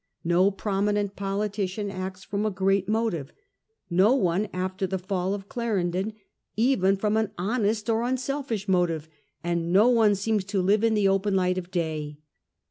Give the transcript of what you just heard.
No prominent politician acts from a great motive — no one, after the fall of Claren don, even from an honest or unselfish motive— and no one seems to live in the open light of day.